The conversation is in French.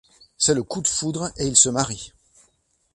C'est le coup de foudre et ils se marient.